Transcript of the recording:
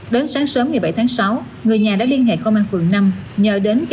đến sáng sớm ngày bảy tháng sáu người nhà đã liên hệ công an phường năm